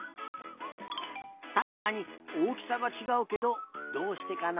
たしかにおおきさがちがうけどどうしてかな？